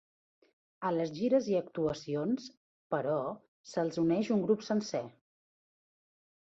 A les gires i actuacions, però, se’ls uneix un grup sencer.